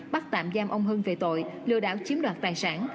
bắt tạm giam ông hưng về tội lừa đảo chiếm đoạt tài sản